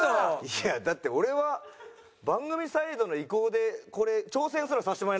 いやだって俺は番組サイドの意向でこれ挑戦すらさせてもらえなかった。